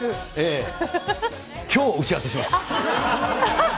きょう打ち合わせします。